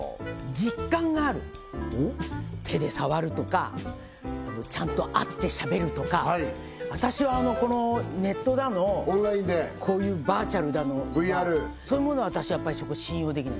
実感がある手で触るとかちゃんと会ってしゃべるとか私はネットだのオンラインでこういうバーチャルだのＶＲそういうもの私はやっぱりそこ信用できない